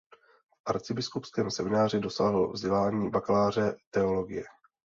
V arcibiskupském semináři dosáhl vzdělání bakaláře teologie.